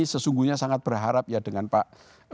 sesungguhnya sangat berharap ya dengan pak